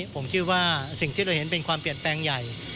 ผมคิดว่าสิ่งที่เราเห็นเป็นความเปลี่ยนแปลงใหญ่